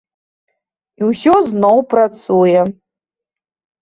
І ўсё зноў працуе.